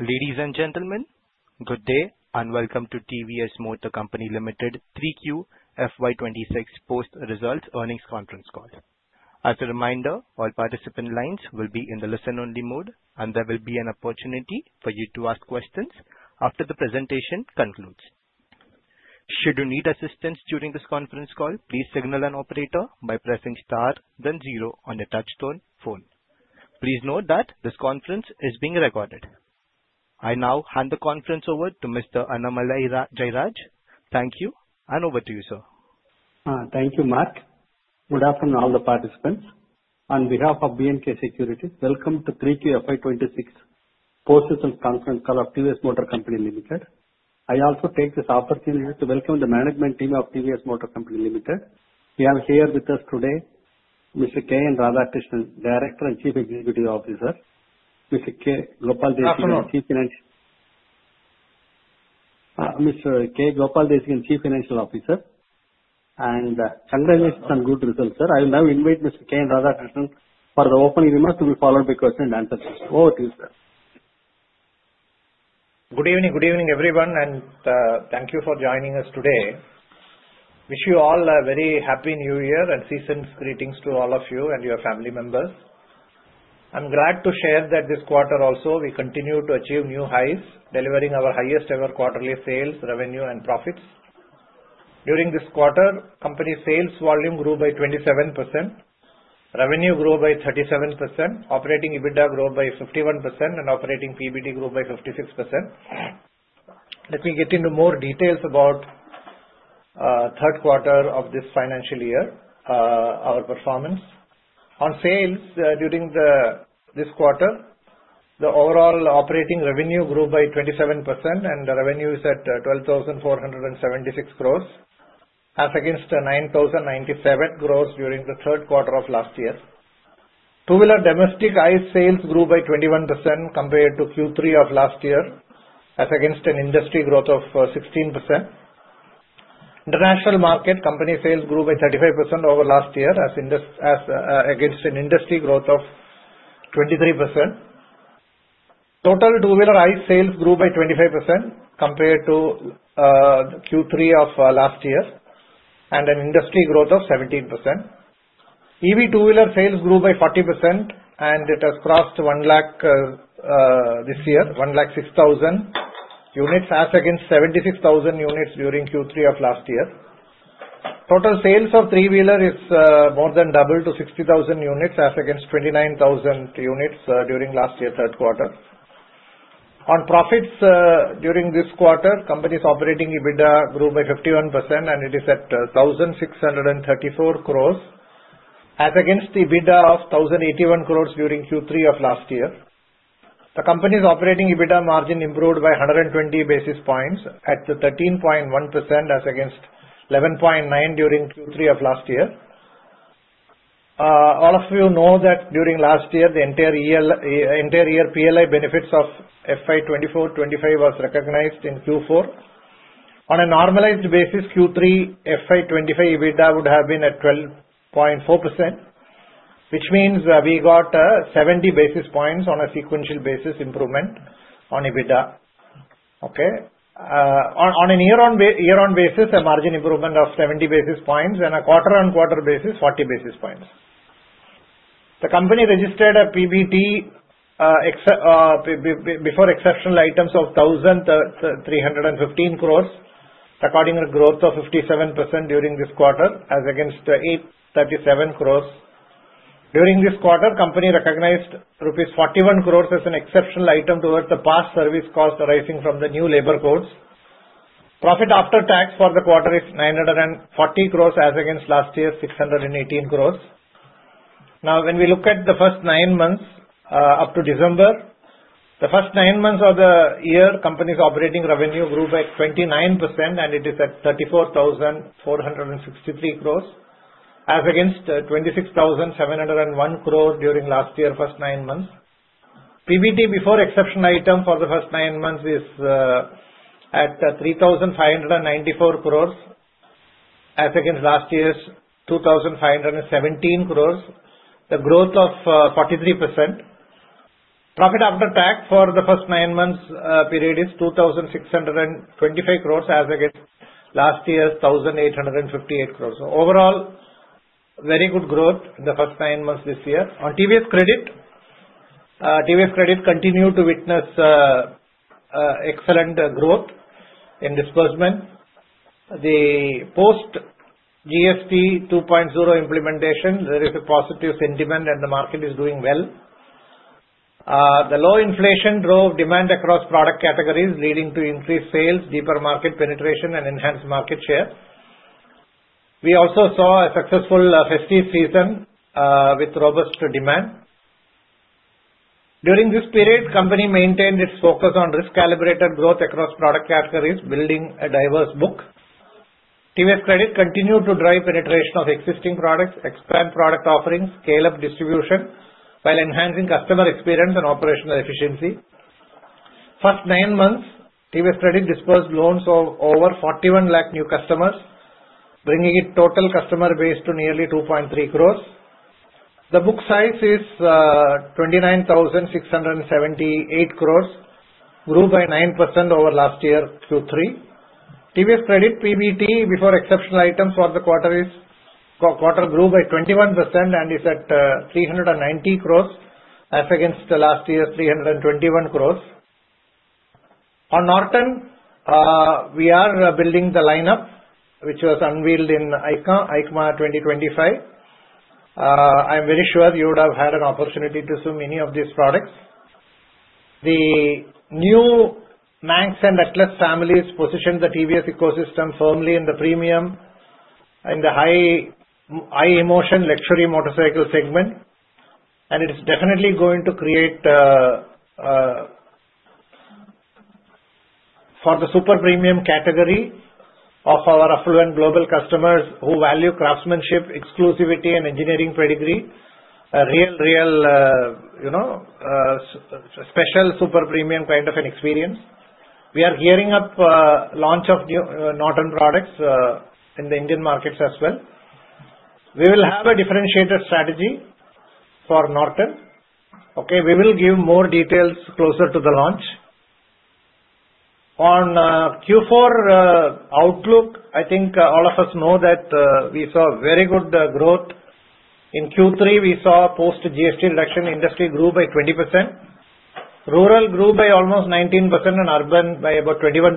Ladies and gentlemen, good day, and welcome to TVS Motor Company Limited 3Q FY 2026 post-results earnings conference call. As a reminder, all participant lines will be in the listen-only mode, and there will be an opportunity for you to ask questions after the presentation concludes. Should you need assistance during this conference call, please signal an operator by pressing star, then zero on your touchtone phone. Please note that this conference is being recorded. I now hand the conference over to Mr. Annamalai Jayaraj. Thank you, and over to you, sir. Thank you, Mark. Good afternoon, all the participants. On behalf of B&K Securities, welcome to 3Q FY 2026 post-results conference call of TVS Motor Company Limited. I also take this opportunity to welcome the management team of TVS Motor Company Limited. We have here with us today Mr. K.N. Radhakrishnan, Director and Chief Executive Officer, Mr. K. Gopala Desikan, Chief Finance. Afternoon. Mr. K. Gopala Desikan, Chief Financial Officer, and, congratulations on good results, sir. I will now invite Mr. K.N. Radhakrishnan for the opening remarks to be followed by question and answers. Over to you, sir. Good evening. Good evening, everyone, and thank you for joining us today. Wish you all a very Happy New Year and season's greetings to all of you and your family members. I'm glad to share that this quarter also, we continue to achieve new highs, delivering our highest ever quarterly sales, revenue, and profits. During this quarter, company sales volume grew by 27%, revenue grew by 37%, operating EBITDA grew by 51%, and operating PBT grew by 56%. Let me get into more details about third quarter of this financial year, our performance. On sales, during this quarter, the overall operating revenue grew by 27%, and the revenue is at 12,476 crore, as against 9,097 crore during the third quarter of last year. Two-wheeler domestic ICE sales grew by 21% compared to Q3 of last year, as against an industry growth of 16%. International market company sales grew by 35% over last year, as against an industry growth of 23%. Total two-wheeler ICE sales grew by 25% compared to Q3 of last year, and an industry growth of 17%. EV two-wheeler sales grew by 40%, and it has crossed 100,000 this year, 106,000 units, as against 76,000 units during Q3 of last year. Total sales of three-wheeler is more than double to 60,000 units, as against 29,000 units during last year, third quarter. On profits, during this quarter, company's operating EBITDA grew by 51%, and it is at 1,634 crore, as against EBITDA of 1,081 crore during Q3 of last year. The company's operating EBITDA margin improved by 120 basis points at the 13.1%, as against 11.9% during Q3 of last year. All of you know that during last year, the entire entire year PLI benefits of FY 2024-2025 was recognized in Q4. On a normalized basis, Q3 FY 2025, EBITDA would have been at 12.4%, which means, we got, 70 basis points on a sequential basis improvement on EBITDA. Okay? On a year-on-year basis, a margin improvement of 70 basis points, and a quarter-on-quarter basis, 40 basis points. The company registered a PBT before exceptional items of 1,315 crore, a growth of 57% during this quarter, as against 837 crore. During this quarter, company recognized rupees 41 crore as an exceptional item towards the past service costs arising from the new labor codes. Profit after tax for the quarter is 940 crore, as against last year, 618 crore. Now, when we look at the first nine months up to December, the first nine months of the year, company's operating revenue grew by 29%, and it is at 34,463 crore, as against 26,701 crore during last year, first nine months. PBT, before exceptional item for the first nine months is at 3,594 crore, as against last year's 2,517 crore, a growth of 43%. Profit after tax for the first nine months period is 2,625 crore, as against last year's 1,858 crore. So overall, very good growth in the first nine months this year. On TVS Credit, TVS Credit continued to witness excellent growth in disbursement. The post GST 2.0 implementation, there is a positive sentiment, and the market is doing well. The low inflation drove demand across product categories, leading to increased sales, deeper market penetration, and enhanced market share. We also saw a successful festive season with robust demand. During this period, company maintained its focus on risk-calibrated growth across product categories, building a diverse book. TVS Credit continued to drive penetration of existing products, expand product offerings, scale up distribution, while enhancing customer experience and operational efficiency. First nine months, TVS Credit disbursed loans of over 41 lakh new customers, bringing its total customer base to nearly 2.3 crores. The book size is 29,678 crores, grew by 9% over last year Q3. TVS Credit PBT before exceptional items for the quarter is, quarter grew by 21% and is at 390 crores as against the last year, 321 crores. On Norton, we are building the lineup, which was unveiled in EICMA, EICMA 2025. I'm very sure you would have had an opportunity to see many of these products. The new Norton Manx and Atlas families position the TVS ecosystem firmly in the premium, in the high emotion luxury motorcycle segment. And it is definitely going to create, for the super premium category of our affluent global customers who value craftsmanship, exclusivity and engineering pedigree, a real, real, you know, special, super premium kind of an experience. We are gearing up, launch of the, Norton products, in the Indian markets as well. We will have a differentiated strategy for Norton. Okay? We will give more details closer to the launch. On, Q4, outlook, I think, all of us know that, we saw very good, growth. In Q3, we saw post GST reduction, industry grew by 20%. Rural grew by almost 19% and urban by about 21%.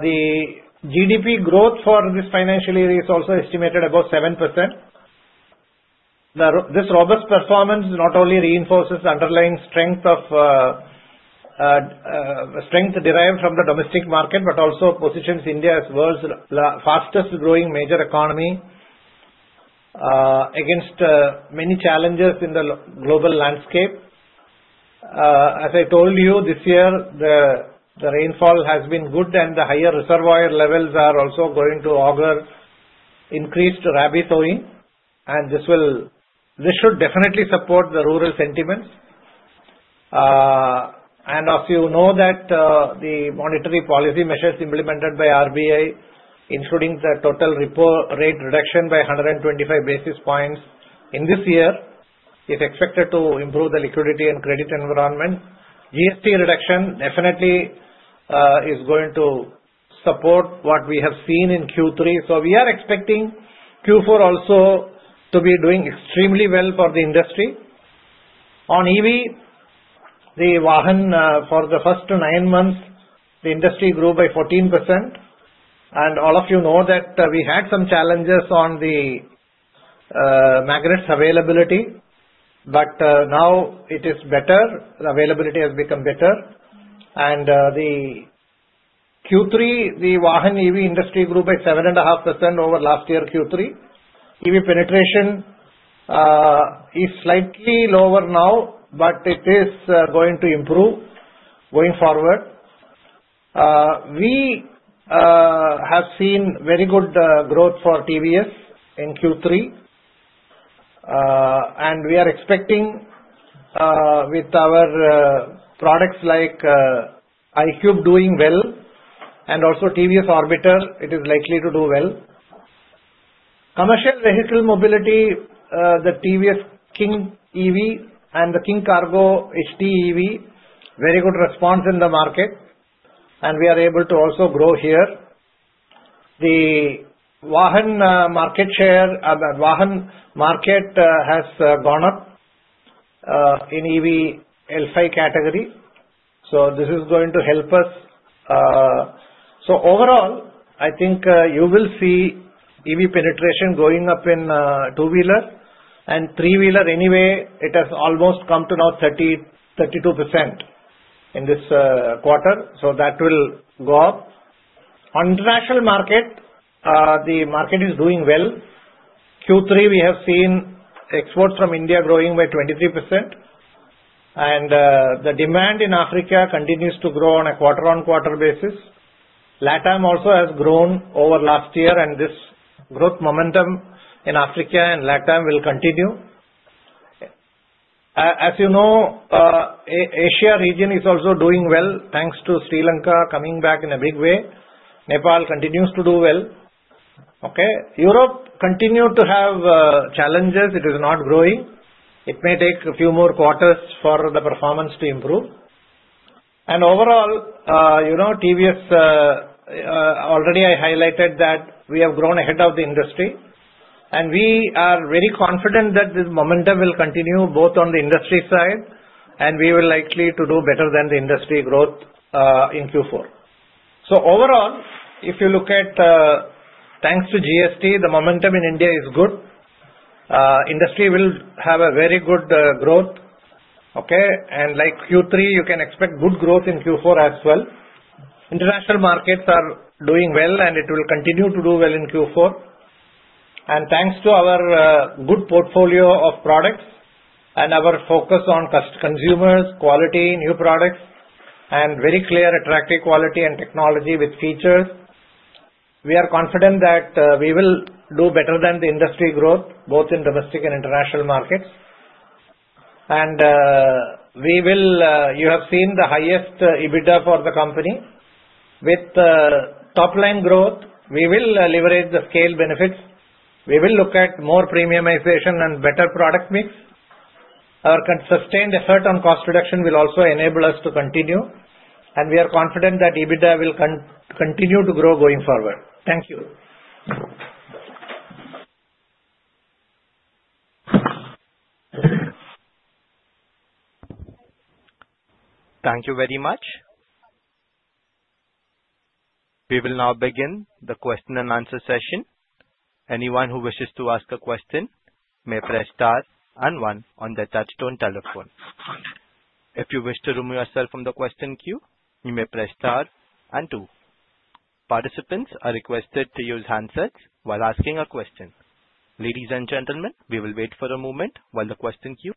The GDP growth for this financial year is also estimated above 7%. This robust performance not only reinforces the underlying strength of strength derived from the domestic market, but also positions India as world's fastest growing major economy, against many challenges in the global landscape. As I told you, this year, the rainfall has been good and the higher reservoir levels are also going to augur increased Rabi sowing, and this should definitely support the rural sentiments. And as you know that, the monetary policy measures implemented by RBI, including the total repo rate reduction by 125 basis points in this year, is expected to improve the liquidity and credit environment. GST reduction definitely is going to support what we have seen in Q3. So we are expecting Q4 also to be doing extremely well for the industry. On EV, the Vahan, for the first nine months, the industry grew by 14%. And all of you know that, we had some challenges on the, magnets availability, but, now it is better. The availability has become better. And, the Q3, the Vahan EV industry grew by 7.5% over last year, Q3. EV penetration, is slightly lower now, but it is, going to improve going forward. We, have seen very good, growth for TVS in Q3. And we are expecting, with our, products like, iQube doing well and also TVS Jupiter, it is likely to do well. Commercial vehicle mobility, the TVS King EV and the TVS King Kargo HT EV, very good response in the market, and we are able to also grow here. The Vahan market share, the Vahan market, has gone up in EV L5 category. So this is going to help us. So overall, I think, you will see EV penetration going up in two-wheeler and three-wheeler. Anyway, it has almost come to now 30%-32% in this quarter. So that will go up. On international market, the market is doing well. Q3, we have seen exports from India growing by 23%, and the demand in Africa continues to grow on a quarter-on-quarter basis. LatAm also has grown over last year, and this growth momentum in Africa and LatAm will continue. As you know, Asia region is also doing well, thanks to Sri Lanka coming back in a big way. Nepal continues to do well. Okay? Europe continued to have challenges. It is not growing. It may take a few more quarters for the performance to improve. And overall, you know, TVS already I highlighted that we have grown ahead of the industry, and we are very confident that this momentum will continue both on the industry side, and we will likely to do better than the industry growth in Q4. So overall, if you look at, thanks to GST, the momentum in India is good. Industry will have a very good growth. Okay? And like Q3, you can expect good growth in Q4 as well. International markets are doing well, and it will continue to do well in Q4. And thanks to our good portfolio of products and our focus on consumers, quality, new products, and very clear, attractive quality and technology with features, we are confident that we will do better than the industry growth, both in domestic and international markets. And we will. You have seen the highest EBITDA for the company. With top line growth, we will leverage the scale benefits. We will look at more premiumization and better product mix. Our sustained effort on cost reduction will also enable us to continue, and we are confident that EBITDA will continue to grow going forward. Thank you. Thank you very much. We will now begin the question and answer session. Anyone who wishes to ask a question may press star and one on their touchtone telephone. If you wish to remove yourself from the question queue, you may press star and two. Participants are requested to use handsets while asking a question. Ladies and gentlemen, we will wait for a moment while the question queue.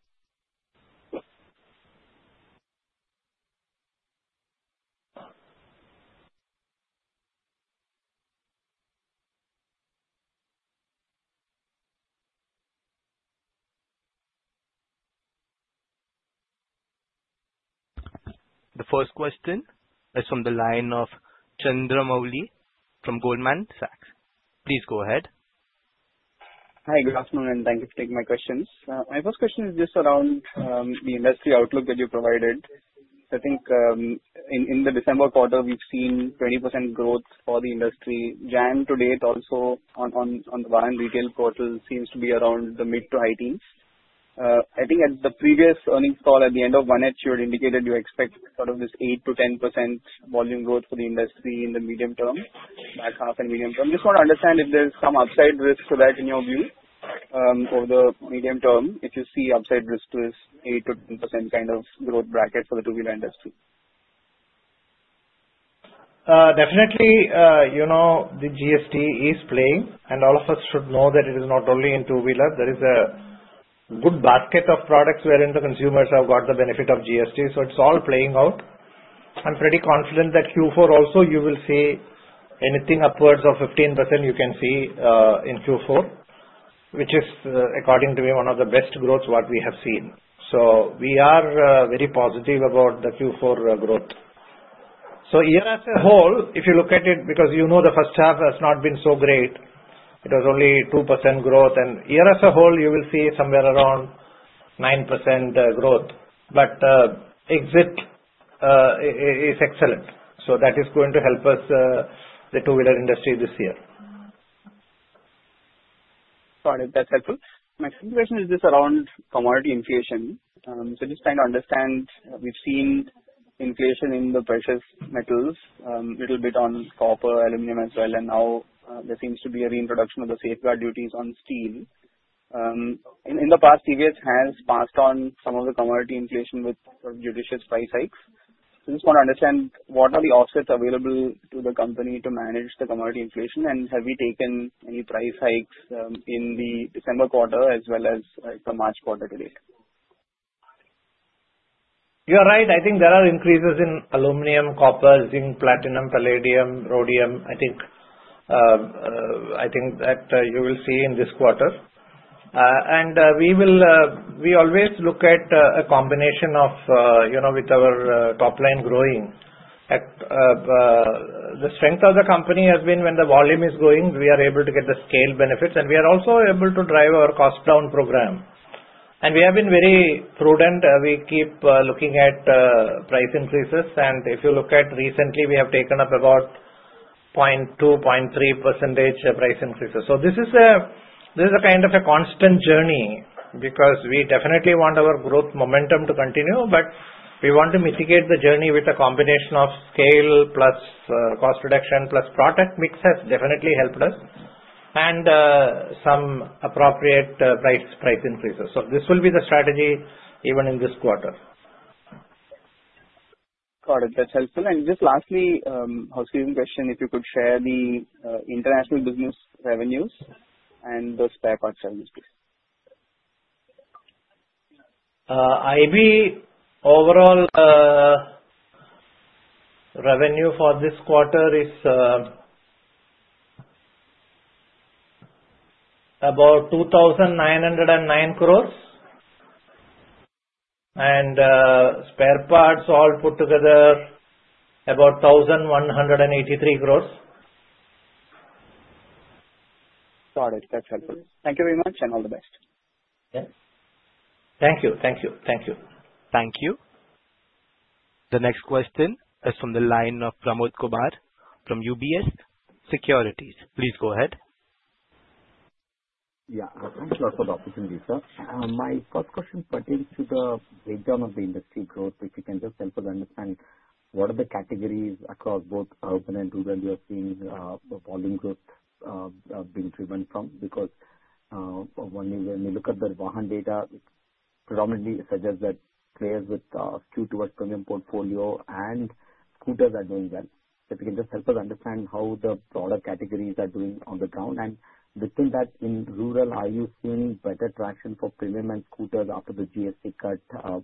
The first question is from the line of Chandramouli from Goldman Sachs. Please go ahead. Hi, good afternoon, and thank you for taking my questions. My first question is just around the industry outlook that you provided. I think in the December quarter, we've seen 20% growth for the industry. Jan to date also on the retail portal seems to be around the mid- to high teens. I think at the previous earnings call at the end of one year, you had indicated you expect sort of this 8%-10% volume growth for the industry in the medium term, back half and medium term. Just want to understand if there's some upside risk to that in your view over the medium term, if you see upside risk to this 8%-10% kind of growth bracket for the two-wheeler industry. Definitely, you know, the GST is playing, and all of us should know that it is not only in two-wheeler. There is a good basket of products wherein the consumers have got the benefit of GST, so it's all playing out. I'm pretty confident that Q4 also, you will see anything upwards of 15%, you can see in Q4, which is, according to me, one of the best growths what we have seen. So we are very positive about the Q4 growth. So year as a whole, if you look at it, because you know, the first half has not been so great, it was only 2% growth. And year as a whole, you will see somewhere around 9% growth, but exit is excellent. So that is going to help us the two-wheeler industry this year. Got it. That's helpful. My second question is just around commodity inflation. So just trying to understand, we've seen inflation in the precious metals, little bit on copper, aluminum as well, and now, there seems to be a reintroduction of the safeguard duties on steel. In the past, TVS has passed on some of the commodity inflation with judicious price hikes. So just want to understand, what are the offsets available to the company to manage the commodity inflation? And have we taken any price hikes, in the December quarter as well as for March quarter to date? You are right. I think there are increases in aluminum, copper, zinc, platinum, palladium, rhodium. I think, I think that you will see in this quarter. And we will, we always look at a combination of, you know, with our top line growing. The strength of the company has been when the volume is growing, we are able to get the scale benefits, and we are also able to drive our cost down program. And we have been very prudent, we keep looking at price increases. And if you look at recently, we have taken up about 0.2%, 0.3% price increases. So this is a kind of a constant journey, because we definitely want our growth momentum to continue, but we want to mitigate the journey with a combination of scale plus cost reduction, plus product mix has definitely helped us, and some appropriate price increases. So this will be the strategy even in this quarter. Got it. That's helpful. Just lastly, I was giving question, if you could share the international business revenues and the spare parts service, please. IB overall, revenue for this quarter is about INR 2,909 crores. And, spare parts all put together, about 1,183 crores. Got it. That's helpful. Thank you very much, and all the best. Yes. Thank you. Thank you. Thank you. Thank you. The next question is from the line of Pramod Kumar from UBS Securities. Please go ahead. Yeah, thank you for the opportunity, sir. My first question pertains to the breakdown of the industry growth. If you can just help us understand, what are the categories across both urban and rural you are seeing volume growth being driven from? Because when you look at the Vahan data, it predominantly suggests that players with skew towards premium portfolio and scooters are doing well. If you can just help us understand how the product categories are doing on the ground. And within that, in rural, are you seeing better traction for premium and scooters after the GST cut, as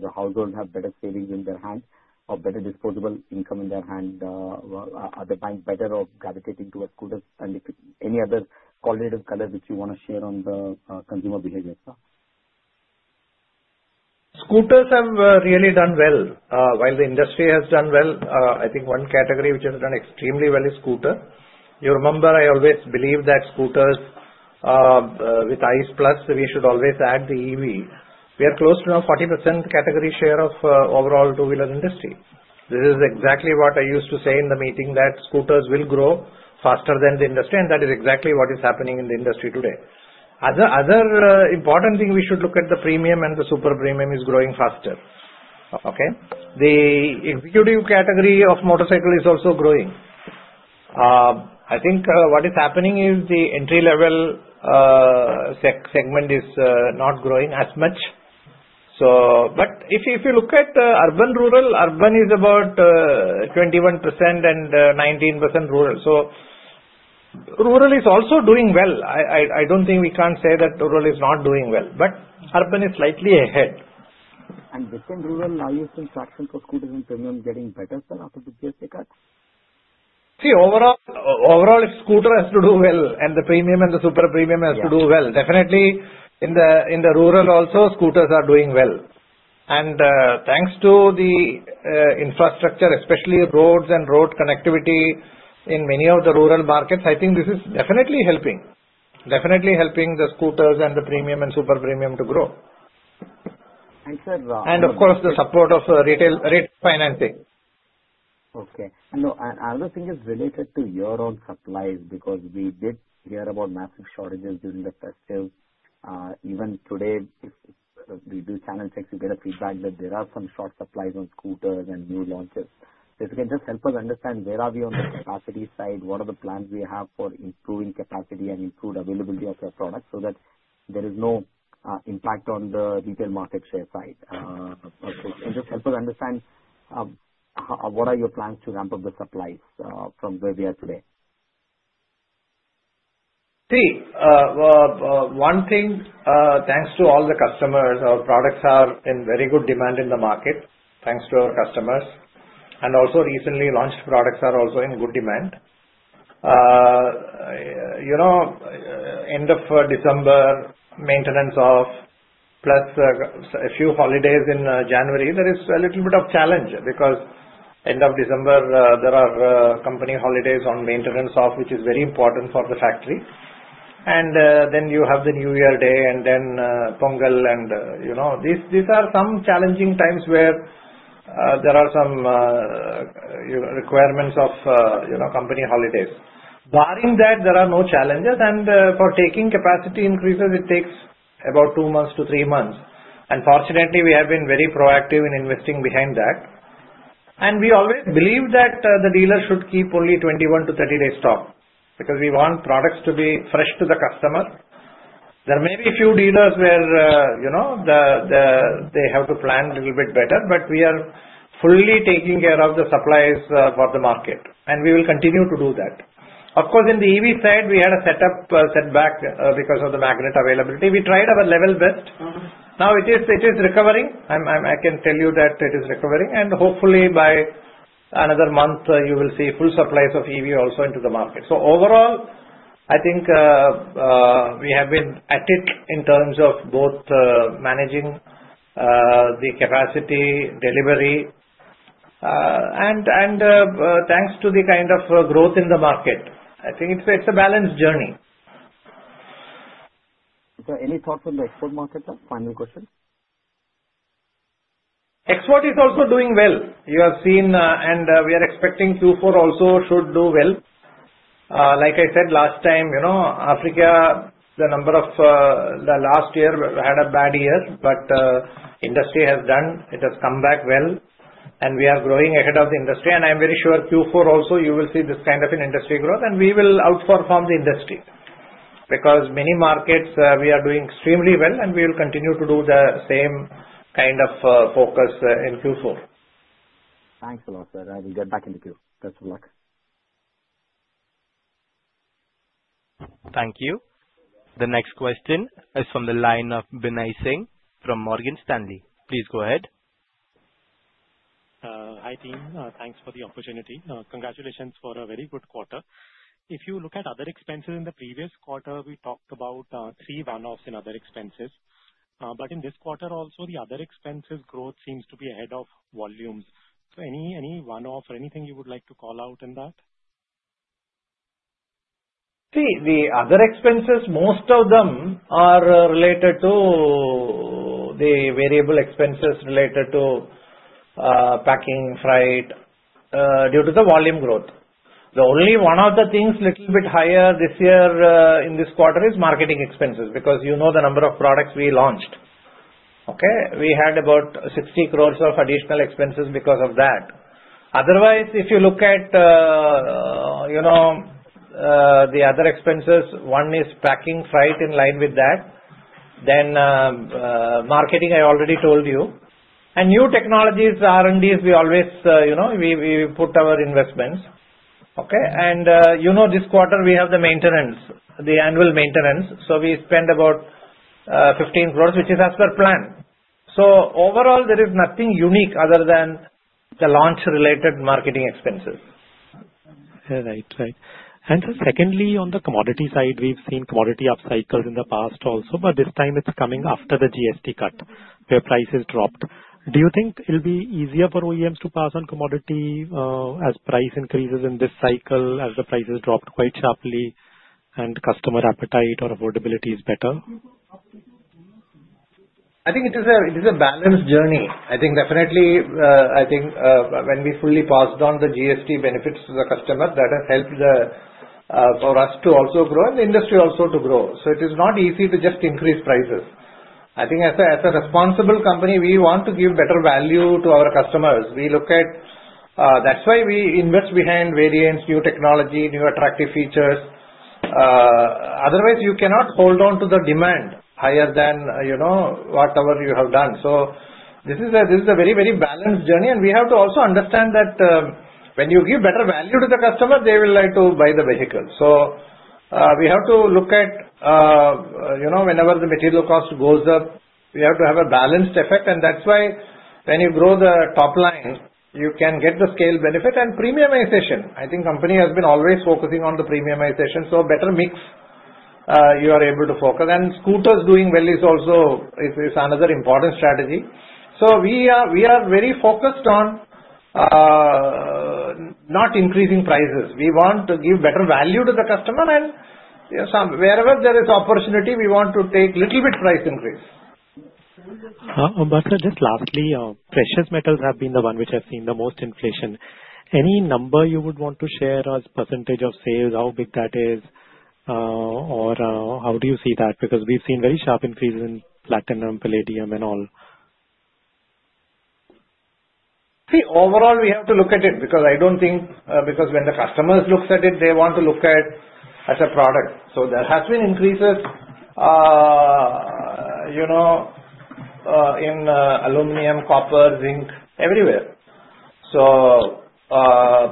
the household have better savings in their hands or better disposable income in their hand? Are they being better off gravitating towards scooters? If any other qualitative color which you want to share on the consumer behavior, sir? Scooters have really done well. While the industry has done well, I think one category which has done extremely well is scooter. You remember, I always believe that scooters with ICE plus, we should always add the EV. We are close to now 40% category share of overall two-wheeler industry. This is exactly what I used to say in the meeting, that scooters will grow faster than the industry, and that is exactly what is happening in the industry today. Other important thing, we should look at the premium and the super premium is growing faster. Okay? The executive category of motorcycle is also growing. I think what is happening is the entry-level seg segment is not growing as much. But if you look at urban, rural, urban is about 21% and 19% rural. So rural is also doing well. I don't think we can say that rural is not doing well, but urban is slightly ahead. Within rural, now is the traction for scooters and premium getting better, sir, after goods take up? See, overall, scooter has to do well, and the premium and the super premium has to do well. Yeah. Definitely, in the rural also, scooters are doing well. Thanks to the infrastructure, especially roads and road connectivity in many of the rural markets, I think this is definitely helping, definitely helping the scooters and the premium and super premium to grow. I said. Of course, the support of retail refinancing. Okay. No, another thing is related to your own supplies, because we did hear about massive shortages during the festive. Even today, if we do channel check, we get a feedback that there are some short supplies on scooters and new launches. If you can just help us understand where are we on the capacity side? What are the plans we have for improving capacity and improved availability of your products, so that there is no impact on the retail market share side? And just help us understand what are your plans to ramp up the supplies from where we are today. See, one thing, thanks to all the customers, our products are in very good demand in the market, thanks to our customers. And also recently launched products are also in good demand. You know, end of December, maintenance of, plus, a few holidays in, January, there is a little bit of challenge, because end of December, there are, company holidays on maintenance off, which is very important for the factory. And, then you have the New Year day and then, Pongal. And, you know, these, these are some challenging times where, there are some, requirements of, you know, company holidays. Barring that, there are no challenges, and, for taking capacity increases, it takes about two months to three months. And fortunately, we have been very proactive in investing behind that. We always believe that the dealer should keep only 21-30 days stock, because we want products to be fresh to the customer. There may be a few dealers where, you know, they have to plan little bit better, but we are fully taking care of the supplies for the market, and we will continue to do that. Of course, in the EV side, we had a setup setback because of the magnet availability. We tried our level best. Now it is, it is recovering. I'm, I'm, I can tell you that it is recovering, and hopefully by another month, you will see full supplies of EV also into the market. So overall, I think, we have been at it in terms of both, managing, the capacity, delivery, and, and, thanks to the kind of, growth in the market. I think it's a, it's a balanced journey. Is there any thoughts on the export market, sir? Final question. Export is also doing well. You have seen, and we are expecting Q4 also should do well. Like I said last time, you know, Africa, the number of, the last year had a bad year, but industry has done. It has come back well, and we are growing ahead of the industry. I'm very sure Q4 also, you will see this kind of an industry growth, and we will outperform the industry. Because many markets, we are doing extremely well, and we will continue to do the same kind of focus in Q4. Thanks a lot, sir. I will get back in the queue. Best of luck. Thank you. The next question is from the line of Binay Singh from Morgan Stanley. Please go ahead. Hi, team. Thanks for the opportunity. Congratulations for a very good quarter. If you look at other expenses in the previous quarter, we talked about three one-offs in other expenses. But in this quarter also, the other expenses growth seems to be ahead of volumes. So any, any one-off or anything you would like to call out in that? See, the other expenses, most of them are related to the variable expenses related to packing, freight due to the volume growth. The only one of the things little bit higher this year in this quarter is marketing expenses, because you know the number of products we launched. Okay? We had about 60 crores of additional expenses because of that. Otherwise, if you look at you know the other expenses, one is packing, freight in line with that. Then marketing, I already told you. And new technologies, R&Ds, we always you know we put our investments. Okay? And you know this quarter we have the maintenance, the annual maintenance, so we spend about 15 crores, which is as per planned. So overall, there is nothing unique other than the launch-related marketing expenses. Yeah, right. Right. And then secondly, on the commodity side, we've seen commodity upcycles in the past also, but this time it's coming after the GST cut, where prices dropped. Do you think it'll be easier for OEMs to pass on commodity, as price increases in this cycle, as the prices dropped quite sharply and customer appetite or affordability is better? I think it is a, it is a balanced journey. I think definitely, I think, when we fully passed on the GST benefits to the customer, that has helped the, for us to also grow and the industry also to grow. So it is not easy to just increase prices. I think as a, as a responsible company, we want to give better value to our customers. We look at, that's why we invest behind variants, new technology, new attractive features. Otherwise you cannot hold on to the demand higher than, you know, whatever you have done. So this is a, this is a very, very balanced journey, and we have to also understand that, when you give better value to the customer, they will like to buy the vehicle. So, we have to look at, you know, whenever the material cost goes up, we have to have a balanced effect, and that's why when you grow the top line, you can get the scale benefit and premiumization. I think company has been always focusing on the premiumization, so better mix, you are able to focus. And scooters doing well is also another important strategy. So we are, we are very focused on not increasing prices. We want to give better value to the customer, and, yes, wherever there is opportunity, we want to take little bit price increase. But, sir, just lastly, precious metals have been the one which have seen the most inflation. Any number you would want to share as percentage of sales, how big that is, or how do you see that? Because we've seen very sharp increases in platinum, palladium and all. See, overall, we have to look at it, because I don't think, because when the customers looks at it, they want to look at as a product. So there has been increases, you know, in aluminum, copper, zinc, everywhere. So,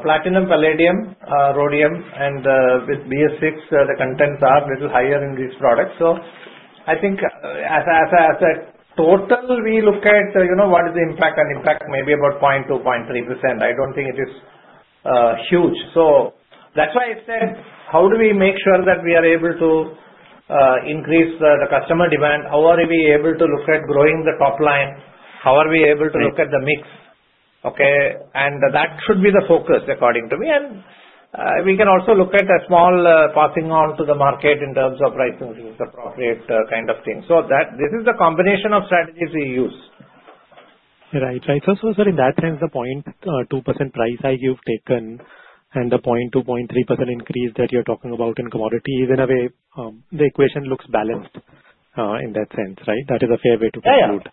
platinum, palladium, rhodium, and, with BS6, the contents are little higher in these products. So I think as a total, we look at, you know, what is the impact, and impact may be about 0.2%-0.3%. I don't think it is huge. So that's why I said, how do we make sure that we are able to increase the customer demand? How are we able to look at growing the top line? How are we able to- Right. -look at the mix? Okay, and that should be the focus, according to me. And, we can also look at a small, passing on to the market in terms of price increase, appropriate, kind of thing. So that, this is the combination of strategies we use. Right. Right. So, so, sir, in that sense, the 2% price hike you've taken and the 0.2%-0.3% increase that you're talking about in commodity, in a way, the equation looks balanced, in that sense, right? That is a fair way to conclude. Yeah.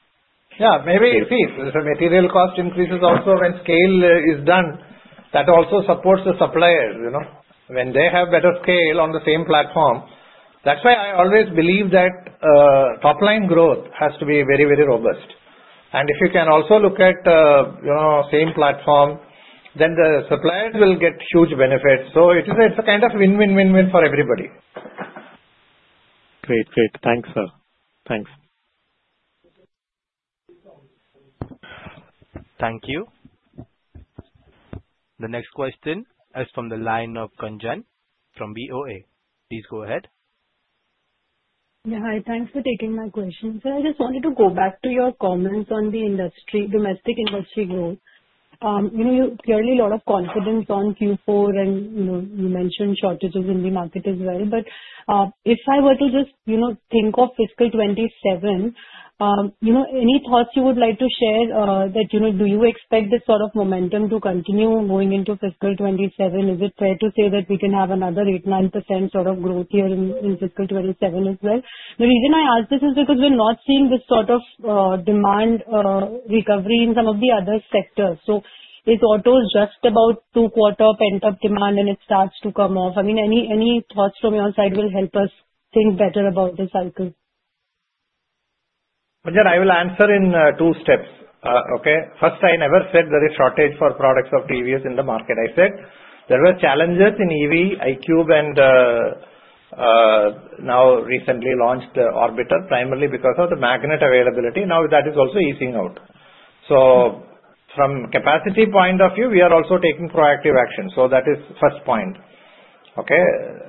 Yeah, maybe see, the material cost increases also when scale is done, that also supports the suppliers, you know. When they have better scale on the same platform. That's why I always believe that top line growth has to be very, very robust. And if you can also look at, you know, same platform, then the suppliers will get huge benefits. So it is a, it's a kind of win-win, win-win for everybody. Great. Great. Thanks, sir. Thanks. Thank you. The next question is from the line of Gunjan from BofA. Please go ahead. Yeah, hi, thanks for taking my question. Sir, I just wanted to go back to your comments on the industry, domestic industry growth. You know, you're clearly a lot of confidence on Q4, and, you know, you mentioned shortages in the market as well. But, if I were to just, you know, think of fiscal 2027, you know, any thoughts you would like to share, that, you know, do you expect this sort of momentum to continue going into fiscal 2027? Is it fair to say that we can have another 8%-9% sort of growth here in, in fiscal 2027 as well? The reason I ask this is because we're not seeing this sort of demand recovery in some of the other sectors. So is auto just about two-quarter pent-up demand and it starts to come off? I mean, any, any thoughts from your side will help us think better about the cycle. Gunjan, I will answer in two steps. Okay? First, I never said there is shortage for products of TVS in the market. I said there were challenges in EV, iQube, and now recently launched Jupiter, primarily because of the magnet availability. Now that is also easing out. So from capacity point of view, we are also taking proactive action. So that is first point, okay?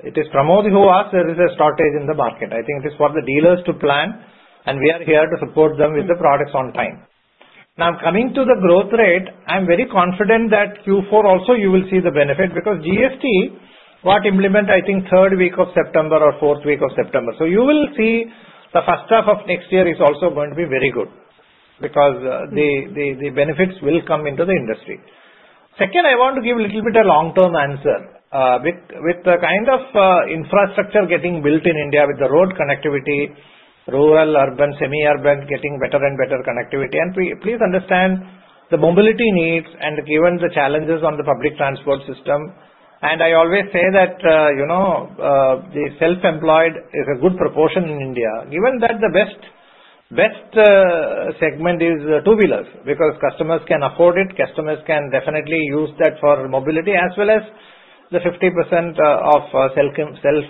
It is Pramod who asked, there is a shortage in the market. I think it is for the dealers to plan, and we are here to support them with the products on time. Now, coming to the growth rate, I'm very confident that Q4 also you will see the benefit, because GST got implement, I think, third week of September or fourth week of September. So you will see the first half of next year is also going to be very good, because the benefits will come into the industry. Second, I want to give a little bit a long-term answer. With the kind of infrastructure getting built in India, with the road connectivity, rural, urban, semi-urban, getting better and better connectivity. And please understand the mobility needs and given the challenges on the public transport system, and I always say that, you know, the self-employed is a good proportion in India. Given that the best segment is two-wheelers, because customers can afford it, customers can definitely use that for mobility, as well as the 50% of self,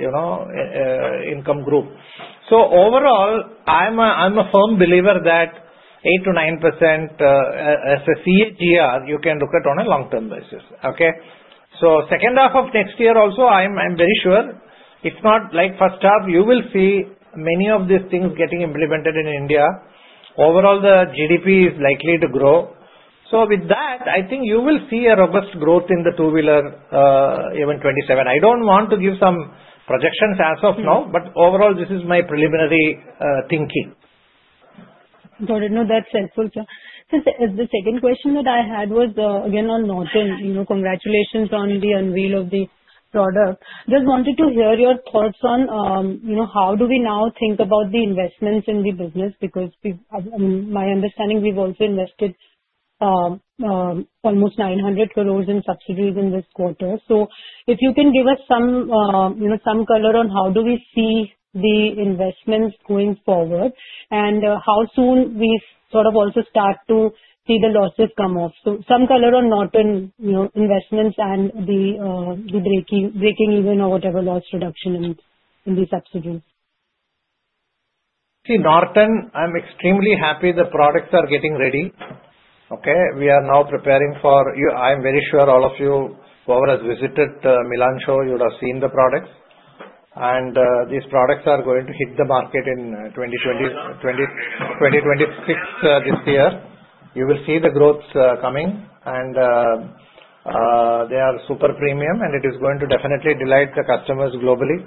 you know, income group. So overall, I'm a firm believer that 8%-9% as a CAGR, you can look at on a long-term basis, okay? So second half of next year also, I'm very sure it's not like first half. You will see many of these things getting implemented in India. Overall, the GDP is likely to grow. So with that, I think you will see a robust growth in the two-wheeler, even 2027. I don't want to give some projections as of now. But overall, this is my preliminary thinking. Got it. No, that's helpful, sir. So the second question that I had was, again, on Norton. You know, congratulations on the unveil of the product. Just wanted to hear your thoughts on, you know, how do we now think about the investments in the business? Because we've, my understanding, we've also invested, almost 900 crore in subsidies in this quarter. So if you can give us some, you know, some color on how do we see the investments going forward, and, how soon we sort of also start to see the losses come off. So some color on Norton, you know, investments and the, the breaking, breaking even or whatever loss reduction in, in the subsidies. See, Norton, I'm extremely happy the products are getting ready, okay? We are now preparing for you. I'm very sure all of you, whoever has visited the Milan show, you would have seen the products. These products are going to hit the market in 2026, this year. You will see the growths coming, and they are super premium, and it is going to definitely delight the customers globally.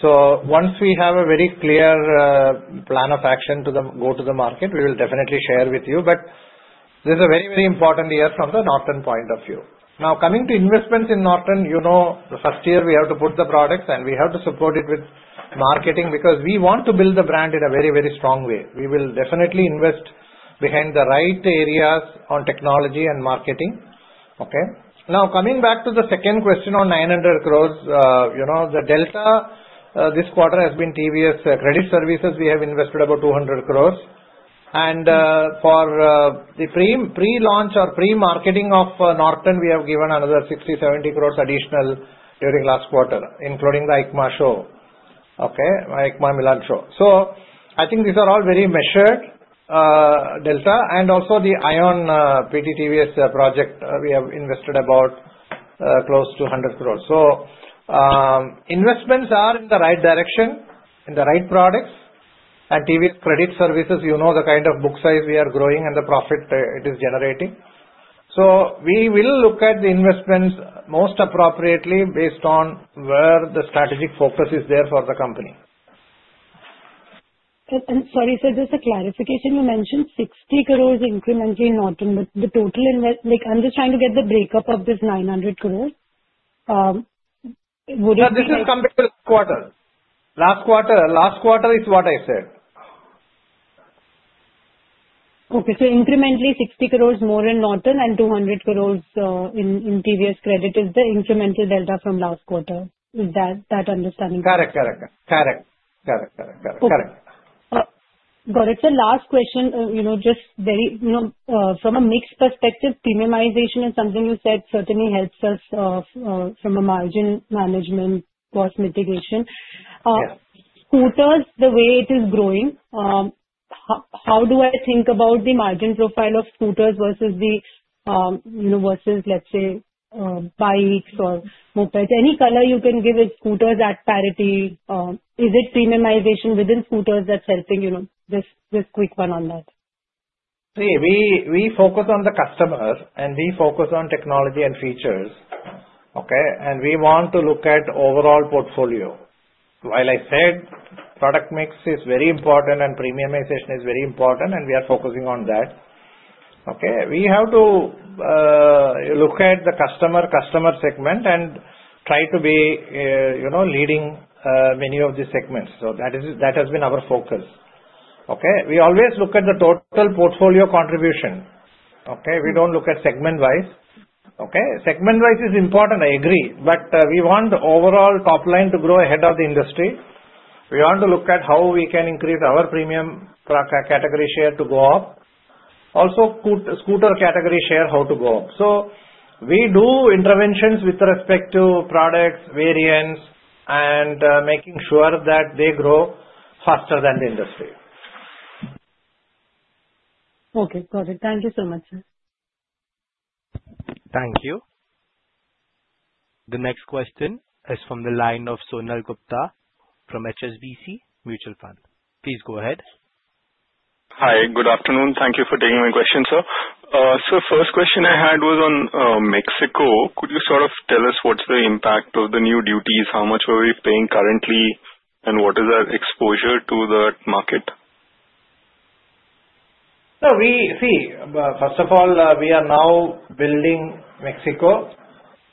So once we have a very clear plan of action to go to the market, we will definitely share with you. But this is a very, very important year from the Norton point of view. Now, coming to investments in Norton, you know, the first year we have to put the products, and we have to support it with marketing, because we want to build the brand in a very, very strong way. We will definitely invest behind the right areas on technology and marketing, okay? Now, coming back to the second question on 900 crore, you know, the delta this quarter has been TVS Credit Services. We have invested about 200 crore. And for the pre-launch or pre-marketing of Norton, we have given another 60 crore-70 crore additional during last quarter, including the EICMA show, okay? EICMA Milan show. So I think these are all very measured delta. And also the ION Mobility, PT TVS Motor Company Indonesia project, we have invested about close to 100 crore. So, investments are in the right direction, in the right products. At TVS Credit Services, you know the kind of book size we are growing and the profit, it is generating. So we will look at the investments most appropriately based on where the strategic focus is there for the company. Sorry, sir, just a clarification. You mentioned 60 crore incrementally in Norton, but the total invest- Like, I'm just trying to get the breakup of this 900 crore. Would it be? No, this is compared to last quarter. Last quarter, last quarter is what I said. Okay. So incrementally, 60 crore more in Norton and 200 crore in TVS Credit is the incremental delta from last quarter. Is that understanding? Correct, correct, correct. Correct, correct, correct, correct. Got it. So last question. You know, just very, you know, from a mix perspective, premiumization is something you said certainly helps us from a margin management cost mitigation. Yeah. Scooters, the way it is growing, how do I think about the margin profile of scooters versus the, you know, versus, let's say, bikes or mopeds? Any color you can give with scooters at parity, is it premiumization within scooters that's helping, you know? Just this quick one on that. See, we focus on the customer, and we focus on technology and features, okay? And we want to look at overall portfolio. While I said product mix is very important and premiumization is very important, and we are focusing on that, okay, we have to look at the customer, customer segment and try to be, you know, leading many of these segments. So that has been our focus, okay? We always look at the total portfolio contribution, okay? We don't look at segment-wise, okay? Segment-wise is important, I agree, but we want the overall top line to grow ahead of the industry. We want to look at how we can increase our premium product category share to go up. Also, scooter category share, how to go up. So we do interventions with respect to products, variants, and making sure that they grow faster than the industry. Okay. Got it. Thank you so much, sir. Thank you. The next question is from the line of Sonal Gupta from HSBC Mutual Fund. Please go ahead. Hi, good afternoon. Thank you for taking my question, sir. So first question I had was on Mexico. Could you sort of tell us what's the impact of the new duties? How much are we paying currently, and what is our exposure to the market? See, first of all, we are now building Mexico,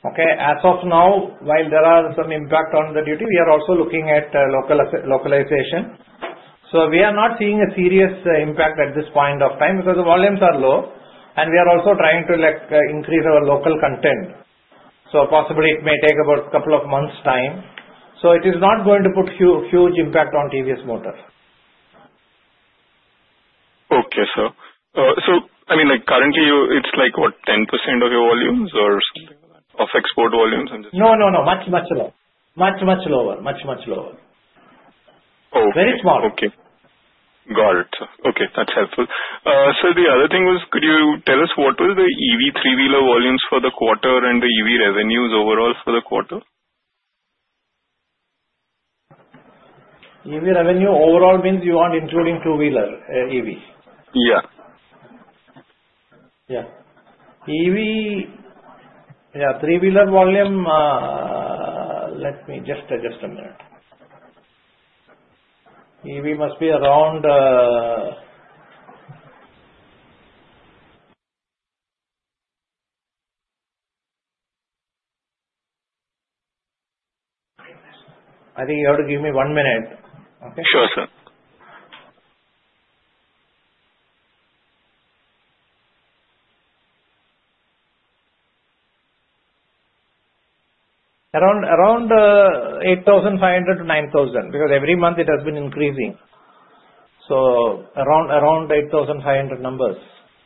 okay? As of now, while there are some impact on the duty, we are also looking at local localization. So we are not seeing a serious impact at this point of time, because the volumes are low, and we are also trying to, like, increase our local content. So possibly it may take about couple of months' time. So it is not going to put huge impact on TVS Motor. Okay, Sir, it's like 10% of volumes or of export volumes? No, no, no, much, much lower. Much, much lower. Much, much lower. Oh. Very small. Okay. Got it, sir. Okay, that's helpful. Sir, the other thing was, could you tell us what are the EV three-wheeler volumes for the quarter and the EV revenues overall for the quarter? EV revenue overall means you want including two-wheeler, EV? Yeah. Yeah. EV, yeah, three-wheeler volume, let me just. Just a minute. EV must be around, I think you have to give me one minute, okay? Sure, sir. Around 8,500 to 9,000, because every month it has been increasing. So around 8,500 numbers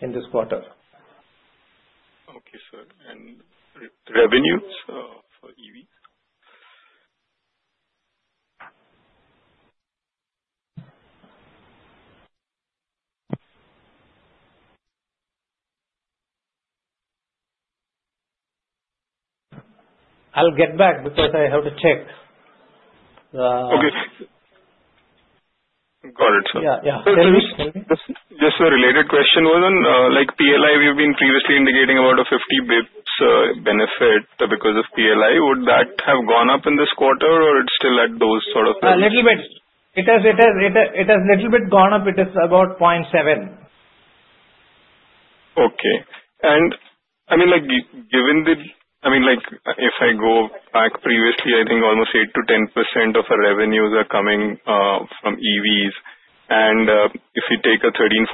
in this quarter. Okay, sir. And revenue for EV? I'll get back because I have to check. Okay. Got it, sir. Yeah, yeah. Tell me? Just, just a related question was on, like PLI, we've been previously indicating about a 50 bps benefit because of PLI. Would that have gone up in this quarter or it's still at those sort of- A little bit. It has little bit gone up. It is about 0.7. Okay. And I mean, like, if I go back previously, I think almost 8%-10% of our revenues are coming from EVs. And, if you take a 13%-14%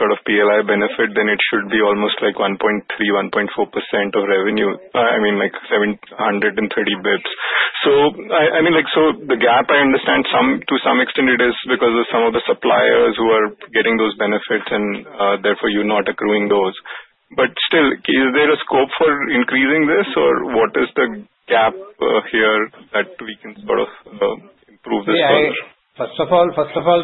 sort of PLI benefit, then it should be almost like 1.3%-1.4% of revenue. I mean, like, 730 basis points. So I, I mean, like, so the gap I understand to some extent it is because of some of the suppliers who are getting those benefits and, therefore you're not accruing those. But still, is there a scope for increasing this or what is the gap here that we can sort of improve this further? Yeah. First of all, first of all,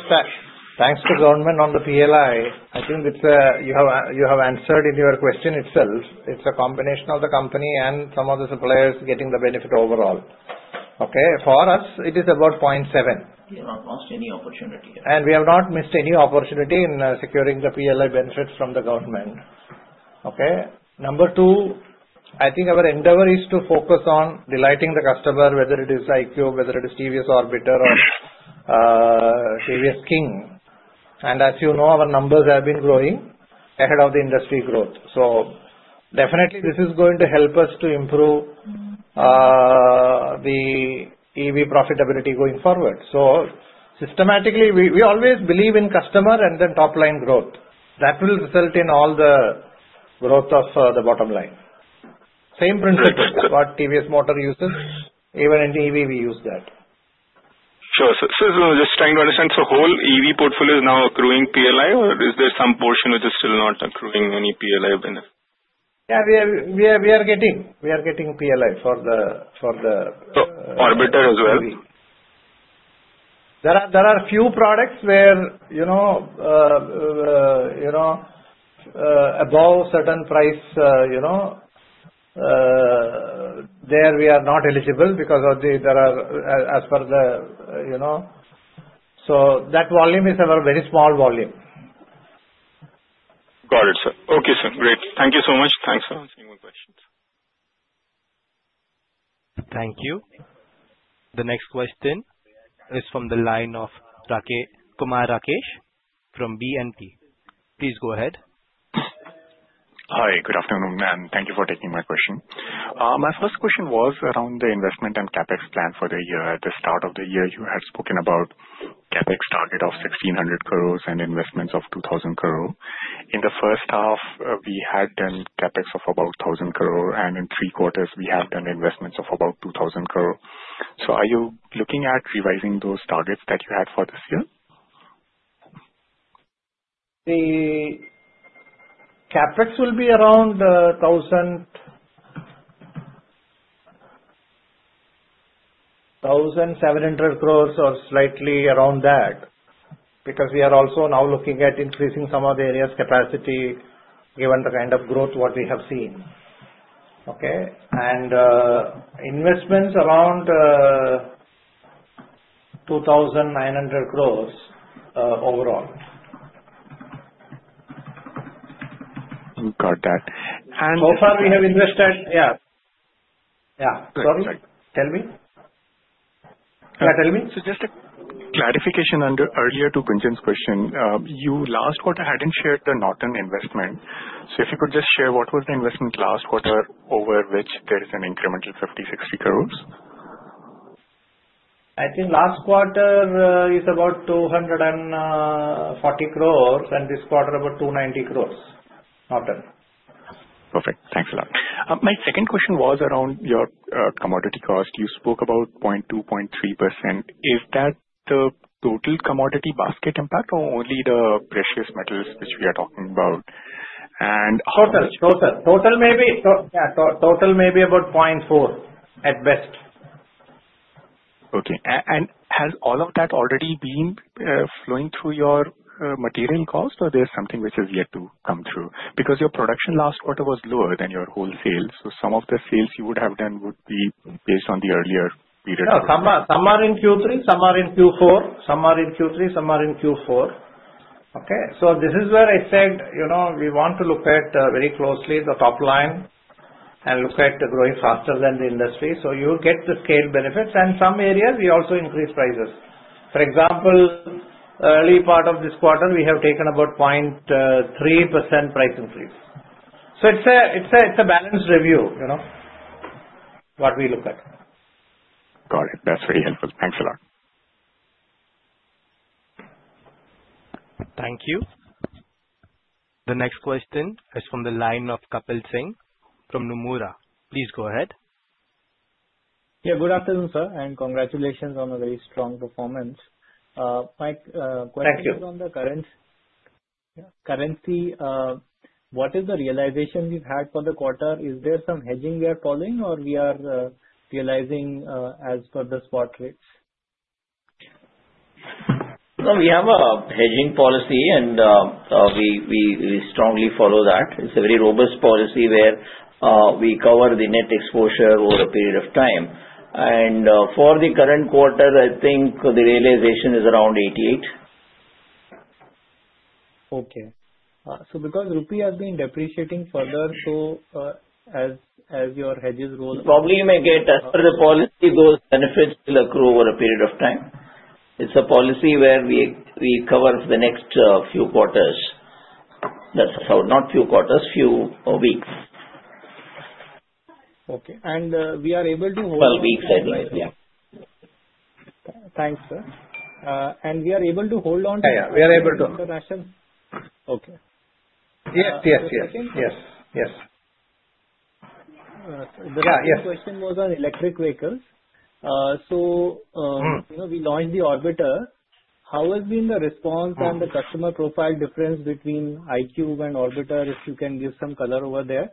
thanks to government on the PLI, I think it's, you have answered in your question itself. It's a combination of the company and some of the suppliers getting the benefit overall, okay? For us, it is about 0.7. We have not missed any opportunity. And we have not missed any opportunity in securing the PLI benefits from the government, okay? Number two, I think our endeavor is to focus on delighting the customer, whether it is iQube, whether it is TVS Jupiter or TVS King. And as you know, our numbers have been growing ahead of the industry growth. So definitely this is going to help us to improve the EV profitability going forward. So systematically, we always believe in customer and then top line growth. That will result in all the growth of the bottom line. Right. Same principle what TVS Motor uses, even in EV we use that. Sure. So, so just trying to understand, so whole EV portfolio is now accruing PLI, or is there some portion which is still not accruing any PLI benefit? Yeah, we are getting PLI for the, for the- Jupiter as well? There are few products where, you know, you know, above certain price, you know, there we are not eligible because of the, as per the, you know. So that volume is our very small volume. Got it, sir. Okay, sir. Great. Thank you so much. Thanks, sir. Any more questions? Thank you. The next question is from the line of Kumar Rakesh from BNP. Please go ahead. Hi, good afternoon, ma'am. Thank you for taking my question. My first question was around the investment and CapEx plan for the year. At the start of the year, you had spoken about CapEx target of 1,600 crore and investments of 2,000 crore. In the first half, we had done CapEx of about 1,000 crore, and in three quarters we have done investments of about 2,000 crore. So are you looking at revising those targets that you had for this year? The CapEx will be around 1,700 crores or slightly around that, because we are also now looking at increasing some of the areas capacity, given the kind of growth what we have seen. Okay? Investments around 2,900 crores overall. Got that. And- So far we have invested. Yeah. Yeah. Right. Sorry, tell me? Tell me. Just a clarification on the earlier to Gunjan's question. You last quarter hadn't shared the Norton investment. So if you could just share what was the investment last quarter over which there is an incremental 50 crore-60 crore? I think last quarter is about 240 crores, and this quarter about 290 crores, Norton. Perfect. Thanks a lot. My second question was around your commodity cost. You spoke about 0.2%, 0.3%. Is that the total commodity basket impact or only the precious metals which we are talking about? And- Total, total. Total may be about 0.4%, at best. Okay. And has all of that already been flowing through your material costs, or there's something which is yet to come through? Because your production last quarter was lower than your whole sales, so some of the sales you would have done would be based on the earlier period. No, some are, some are in Q3, some are in Q4. Some are in Q3, some are in Q4, okay? So this is where I said, you know, we want to look at very closely the top line and look at growing faster than the industry, so you'll get the scale benefits. And some areas we also increase prices. For example, early part of this quarter, we have taken about 0.3% price increase. So it's a, it's a, it's a balanced review, you know, what we look at. Got it. That's very helpful. Thanks a lot. Thank you. The next question is from the line of Patvir Singh from Nomura. Please go ahead. Yeah, good afternoon, sir, and congratulations on a very strong performance. Thank you. Question is on the current currency. What is the realization we've had for the quarter? Is there some hedging we are calling or we are realizing as per the spot rates? No, we have a hedging policy and we strongly follow that. It's a very robust policy where we cover the net exposure over a period of time. For the current quarter, I think the realization is around 88. Okay. So because rupee has been depreciating further, so, as your hedges roll- Probably you may get, as per the policy goes, benefits will accrue over a period of time. It's a policy where we cover the next few quarters. Not few quarters, few weeks. Okay, and we are able to hold- Well, weeks, yeah. Thanks, sir. And we are able to hold on to- Yeah, yeah, we are able to. Okay. Yes, yes, yes. Yes, yes. Uh, the- Yeah, yes. Second question was on electric vehicles. You know, we launched the Jupiter. How has been the response? And the customer profile difference between iQube and Jupiter, if you can give some color over there?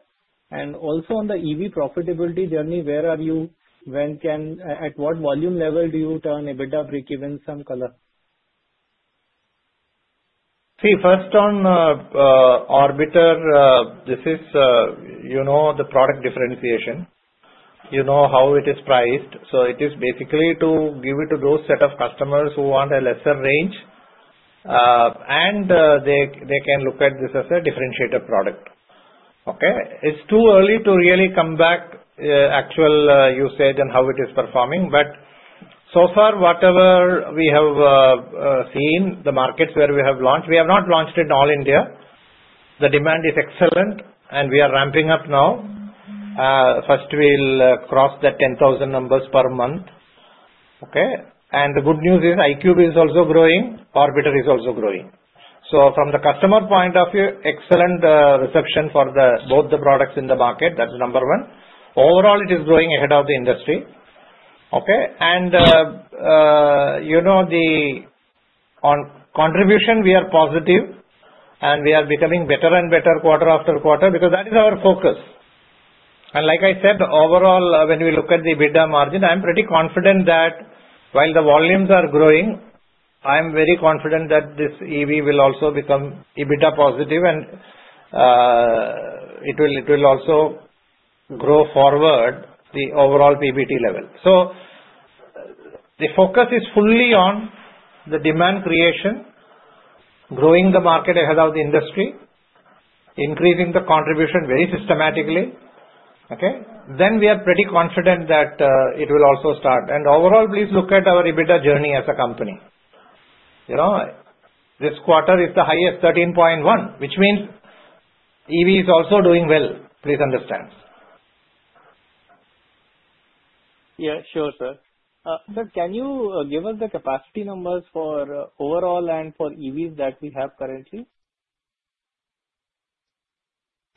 And also on the EV profitability journey, where are you, when can, at what volume level do you turn EBITDA, breakeven? Some color. See, first on Jupiter, this is, you know, the product differentiation. You know how it is priced, so it is basically to give it to those set of customers who want a lesser range, and they can look at this as a differentiated product, okay? It's too early to really come back actual usage and how it is performing, but so far, whatever we have seen, the markets where we have launched, we have not launched in all India. The demand is excellent and we are ramping up now. First we'll cross the 10,000 numbers per month, okay? And the good news is iQube is also growing, Jupiter is also growing. So from the customer point of view, excellent reception for both the products in the market, that's number one. Overall, it is growing ahead of the industry, okay? And, you know, the, on contribution, we are positive, and we are becoming better and better quarter-after-quarter, because that is our focus. And like I said, overall, when we look at the EBITDA margin, I'm pretty confident that while the volumes are growing, I'm very confident that this EV will also become EBITDA positive and, it will, it will also grow forward the overall PBT level. So the focus is fully on the demand creation, growing the market ahead of the industry, increasing the contribution very systematically, okay? Then we are pretty confident that, it will also start. And overall, please look at our EBITDA journey as a company. You know, this quarter is the highest, 13.1%, which means EV is also doing well. Please understand. Yeah, sure, sir. Sir, can you give us the capacity numbers for overall and for EVs that we have currently?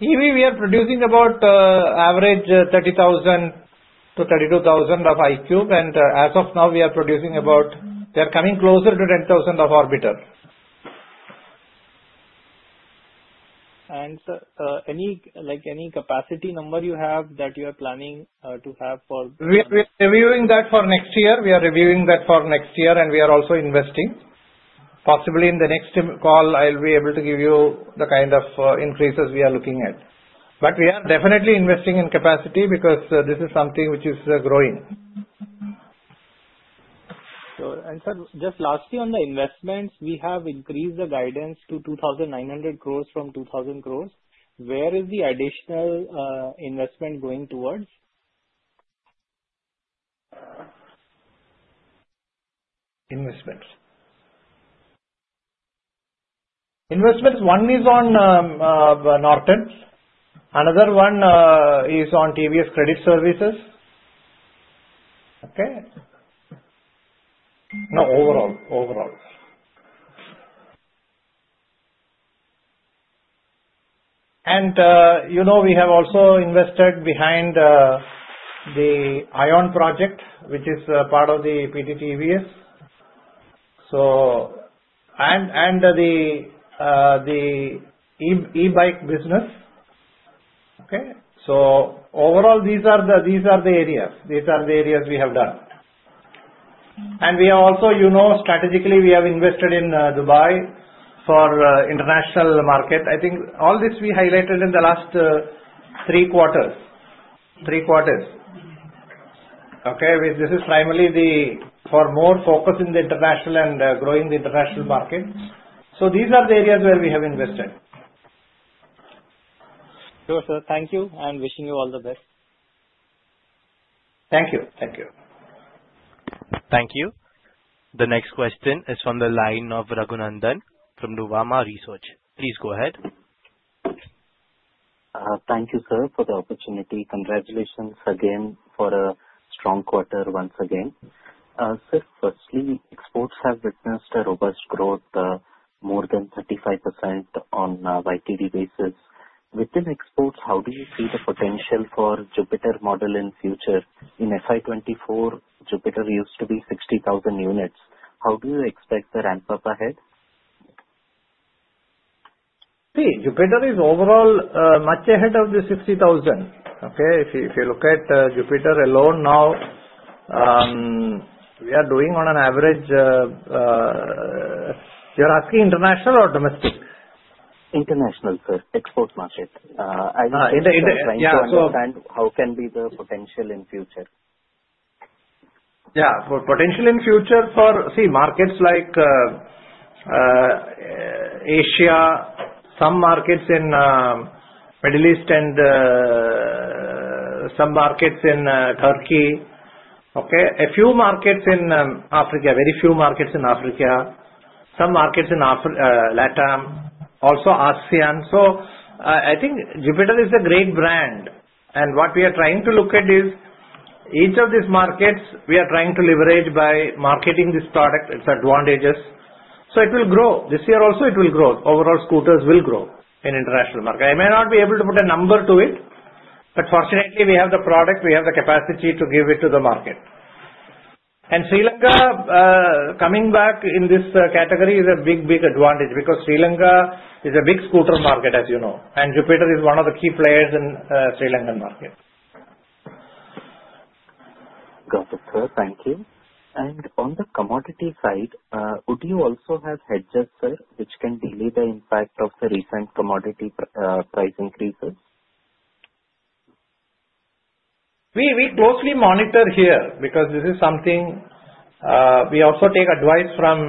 EV, we are producing about average 30,000-32,000 of iQube, and as of now we are producing about. We are coming closer to 10,000 of Jupiter. Sir, any, like, any capacity number you have that you are planning to have for? We're, we're reviewing that for next year. We are reviewing that for next year, and we are also investing. Possibly in the next call, I'll be able to give you the kind of, increases we are looking at. But we are definitely investing in capacity because, this is something which is, growing. Sure. And, sir, just lastly on the investments, we have increased the guidance to 2,900 crores from 2,000 crores. Where is the additional investment going towards? Investments. Investments, one is on Norton, another one is on TVS Credit Services. Okay? No, overall, overall. You know, we have also invested behind the ION project, which is a part of the PT TVS. So, and the e-bike business. Okay? So overall, these are the, these are the areas, these are the areas we have done. And we are also, you know, strategically we have invested in Dubai for international market. I think all this we highlighted in the last three quarters, three quarters. Okay, this is primarily the for more focus in the international and growing the international market. So these are the areas where we have invested. Sure, sir. Thank you, and wishing you all the best. Thank you. Thank you. Thank you. The next question is from the line of Raghunandan from Nuvama Research. Please go ahead. Thank you, sir, for the opportunity. Congratulations again for a strong quarter once again. Sir, firstly, exports have witnessed a robust growth, more than 35% on a YTD basis. Within exports, how do you see the potential for Jupiter model in future? In FY 2024, Jupiter used to be 60,000 units. How do you expect the ramp-up ahead? See, Jupiter is overall, much ahead of the 60,000, okay? If you, if you look at, Jupiter alone now, we are doing on an average. You're asking international or domestic? International, sir. Export market. I was just trying to understand how can be the potential in future? Yeah, potential in future for, see, markets like Asia, some markets in Middle East and some markets in Turkey, okay? A few markets in Africa, very few markets in Africa, some markets in LatAm, also ASEAN. So I think Jupiter is a great brand, and what we are trying to look at is each of these markets, we are trying to leverage by marketing this product, its advantages. So it will grow. This year also it will grow. Overall, scooters will grow in international market. I may not be able to put a number to it, but fortunately, we have the product, we have the capacity to give it to the market. Sri Lanka coming back in this category is a big, big advantage, because Sri Lanka is a big scooter market, as you know, and Jupiter is one of the key players in Sri Lankan market. Got it, sir. Thank you. And on the commodity side, would you also have hedges, sir, which can delay the impact of the recent commodity price increases? We closely monitor here, because this is something, we also take advice from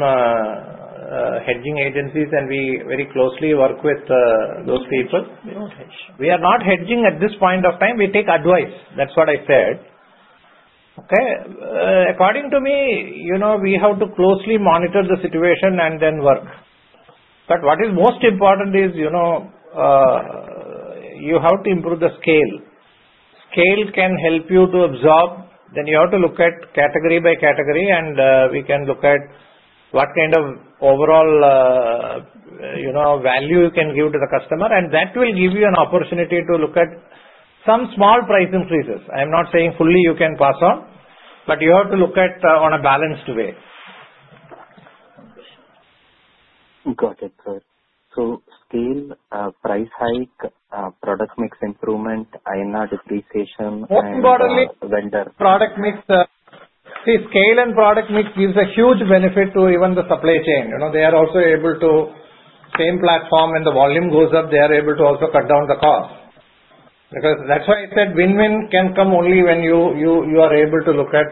hedging agencies, and we very closely work with those people. We don't hedge. We are not hedging at this point of time. We take advice. That's what I said. Okay? According to me, you know, we have to closely monitor the situation and then work. But what is most important is, you know, you have to improve the scale. Scale can help you to absorb, then you have to look at category by category, and we can look at what kind of overall, you know, value you can give to the customer, and that will give you an opportunity to look at some small price increases. I'm not saying fully you can pass on, but you have to look at on a balanced way. Got it, sir. So scale, price hike, product mix improvement, INR depreciation, and- Most importantly- Vendor. Product mix, see, scale and product mix gives a huge benefit to even the supply chain. You know, they are also able to, same platform, when the volume goes up, they are able to also cut down the cost. Because that's why I said win-win can come only when you, you, you are able to look at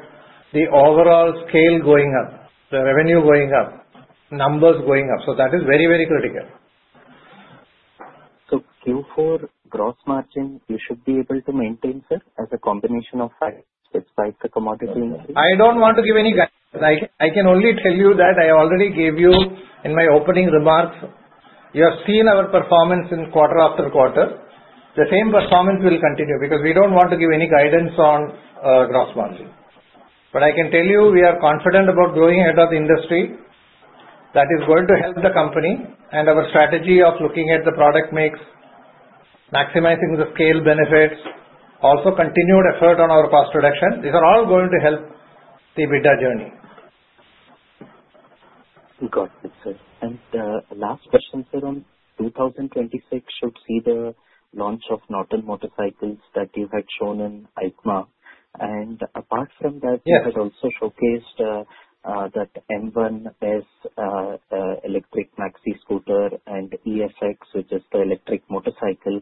the overall scale going up, the revenue going up, numbers going up. So that is very, very critical. Q4 gross margin, you should be able to maintain, sir, as a combination of factors despite the commodity increase? I don't want to give any guidance. I can, I can only tell you that I already gave you in my opening remarks, you have seen our performance in quarter-after-quarter. The same performance will continue, because we don't want to give any guidance on, gross margin. But I can tell you, we are confident about growing ahead of the industry. That is going to help the company and our strategy of looking at the product mix, maximizing the scale benefits, also continued effort on our cost reduction. These are all going to help the EBITDA journey. Got it, sir. And, last question, sir, on 2026 should see the launch of Norton motorcycles that you had shown in EICMA. And apart from that- Yes. You had also showcased that M1-S electric maxi scooter and TVS X, which is the electric motorcycle.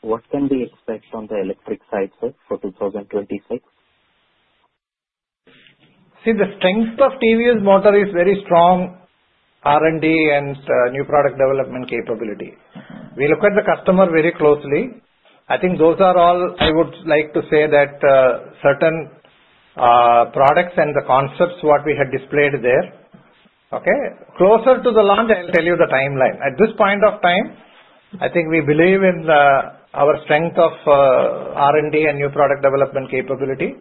What can we expect on the electric side, sir, for 2026? See, the strength of TVS Motor is very strong R&D and new product development capability. We look at the customer very closely. I think those are all I would like to say that, certain, products and the concepts, what we had displayed there. Okay? Closer to the launch, I'll tell you the timeline. At this point of time, I think we believe in, our strength of, R&D and new product development capability.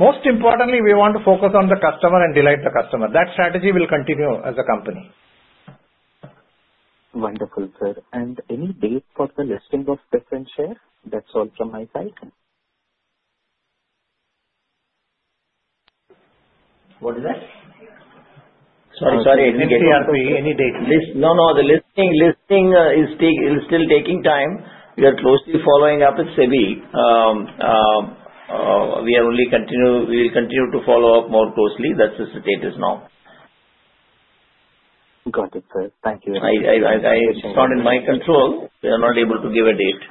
Most importantly, we want to focus on the customer and delight the customer. That strategy will continue as a company. Wonderful, sir. Any date for the listing of preference share? That's all from my side. What is that? Sorry, sorry. Any date? No, no, the listing is still taking time. We are closely following up with SEBI. We will continue to follow up more closely. That's the status now. Got it, sir. Thank you very much. It's not in my control. We are not able to give a date.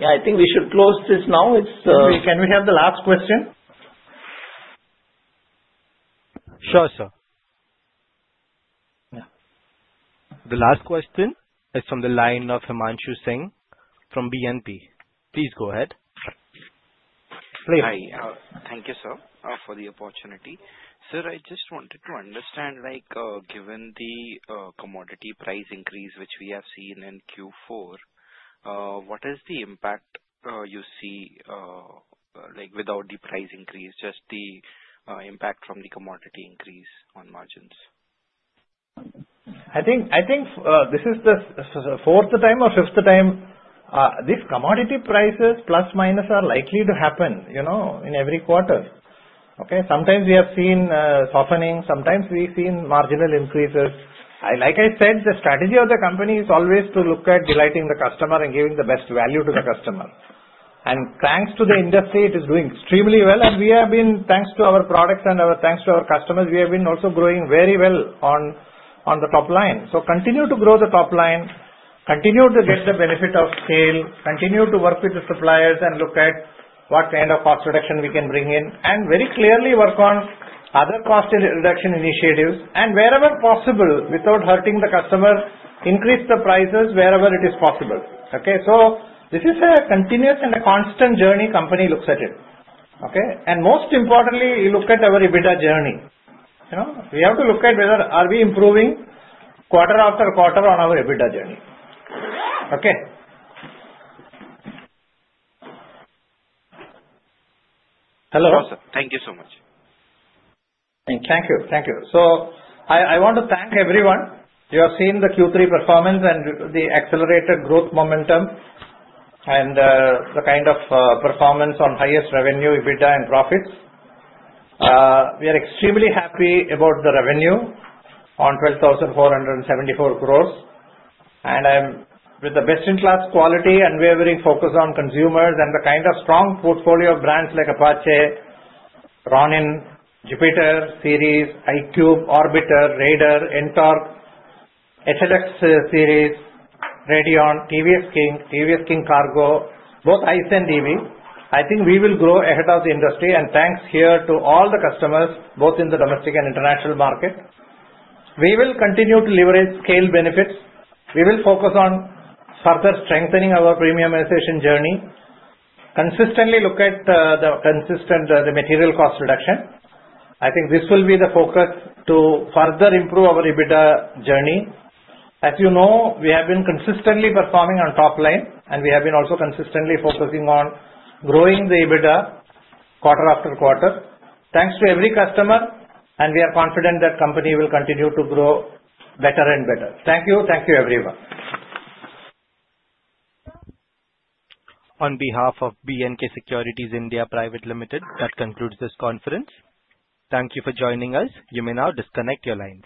Yeah, I think we should close this now. It's Can we have the last question? Sure, sir. Yeah. The last question is from the line of Himanshu Singh from BNP. Please go ahead. Hi. Thank you, sir, for the opportunity. Sir, I just wanted to understand, like, given the commodity price increase, which we have seen in Q4, what is the impact you see, like, without the price increase, just the impact from the commodity increase on margins? I think, I think, this is the fourth time or fifth time. These commodity prices, plus, minus, are likely to happen, you know, in every quarter, okay? Sometimes we have seen softening, sometimes we've seen marginal increases. Like I said, the strategy of the company is always to look at delighting the customer and giving the best value to the customer. And thanks to the industry, it is doing extremely well, and we have been, thanks to our products and our thanks to our customers, we have been also growing very well on the top line. Continue to grow the top line, continue to get the benefit of scale, continue to work with the suppliers and look at what kind of cost reduction we can bring in, and very clearly work on other cost reduction initiatives, and wherever possible, without hurting the customer, increase the prices wherever it is possible. Okay, so this is a continuous and a constant journey company looks at it, okay? Most importantly, we look at our EBITDA journey. You know, we have to look at whether are we improving quarter-after-quarter on our EBITDA journey. Okay? Awesome. Thank you so much. Thank you. Thank you. So I want to thank everyone. You have seen the Q3 performance and the accelerated growth momentum, and the kind of performance on highest revenue, EBITDA, and profits. We are extremely happy about the revenue on 12,474 crore. And I'm with the best-in-class quality, and we are very focused on consumers and the kind of strong portfolio of brands like Apache, Ronin, Jupiter series, iQube, Jupiter, Raider, NTORQ, HLX series, Radeon, TVS King, TVS King Kargo, both ICE and EV. I think we will grow ahead of the industry, and thanks here to all the customers, both in the domestic and international market. We will continue to leverage scale benefits. We will focus on further strengthening our premiumization journey, consistently look at the consistent the material cost reduction. I think this will be the focus to further improve our EBITDA journey. As you know, we have been consistently performing on top line, and we have been also consistently focusing on growing the EBITDA quarter-after-quarter. Thanks to every customer, and we are confident that company will continue to grow better and better. Thank you. Thank you, everyone. On behalf of BNK Securities Pvt Ltd, that concludes this conference. Thank you for joining us. You may now disconnect your lines.